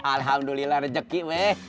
alhamdulillah rejeki weh